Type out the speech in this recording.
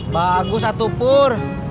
bagus satu pur